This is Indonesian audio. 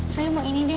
saya mau ini deh